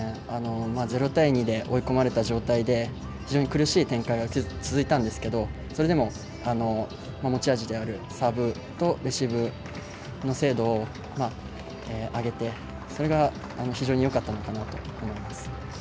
０対２で追い込まれた状態で非常に苦しい展開が続いたんですけどそれでも持ち味であるサーブとレシーブの精度を上げて、それが非常によかったのかなと思います。